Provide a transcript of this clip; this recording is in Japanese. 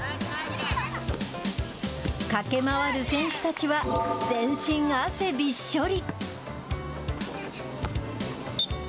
駆け回る選手たちは全身汗びっしょり。